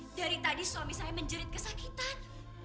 dari tadi suami saya menjerit kesakitan